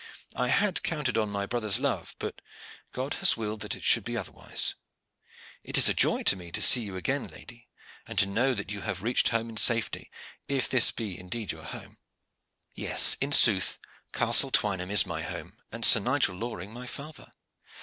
I had counted on my brother's love, but God has willed that it should be otherwise. It is a joy to me to see you again, lady, and to know that you have reached home in safety, if this be indeed your home." "Yes, in sooth, Castle Twynham is my home, and Sir Nigel Loring my father.